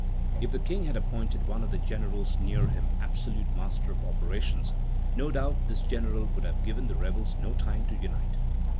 If the King had appointed one of the generals near him absolute master of operations, no doubt this general would have given the rebels no time to unite....